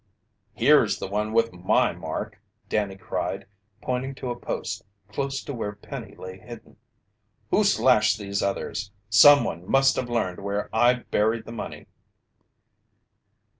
"Here's the one with my mark!" Danny cried, pointing to a post close to where Penny lay hidden. "Who slashed these others? Someone must have learned where I buried the money!"